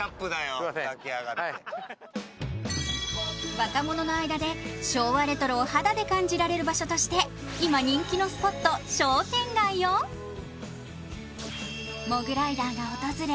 若者の間で昭和レトロを肌で感じられる場所として今、人気のスポット、商店街をモグライダーが訪れ